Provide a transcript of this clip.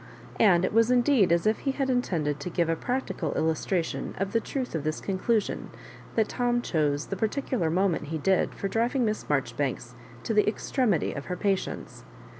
And it was indeed as if he had intended to give a practical illustraiion of the truth of this con clusion that Tom chose the particular moment he did for driving Miss Marjoribanks to the ex tremity of her patience.